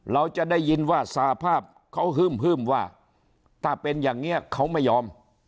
เราจะได้ยินว่าสภาพเขาฮึ่มว่าถ้าเป็นอย่างนี้เขาไม่ยอม